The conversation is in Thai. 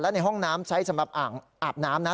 และในห้องน้ำใช้สำหรับอาบน้ำนะ